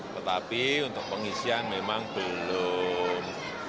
tetapi untuk pengisian memang belum